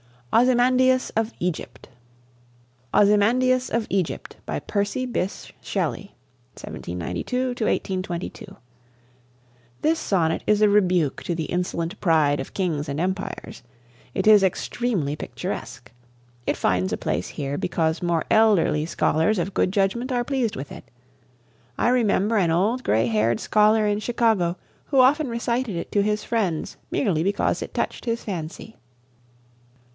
OZYMANDIAS OF EGYPT. "Ozymandias of Egypt," by Percy Bysshe Shelley (1792 1822). This sonnet is a rebuke to the insolent pride of kings and empires. It is extremely picturesque. It finds a place here because more elderly scholars of good judgment are pleased with it. I remember an old gray haired scholar in Chicago who often recited it to his friends merely because it touched his fancy.